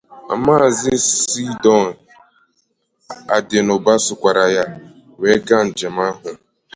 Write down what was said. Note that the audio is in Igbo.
Maazị C-Don Adinuba sokwàrà ya wee gaa njem ahụ.